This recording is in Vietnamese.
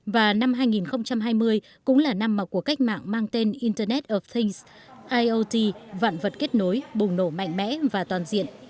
và năm hai nghìn hai mươi cũng là năm của cách mạng mang tên internet of things iot vạn vật kết nối bùng nổ mạnh mẽ và toàn diện